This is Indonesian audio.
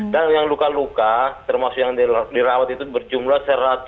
dan yang luka luka termasuk yang dirawat itu berjumlah satu ratus dua puluh enam